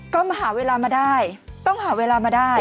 ก็มาหาเวลามาได้ต้องหาเวลามาได้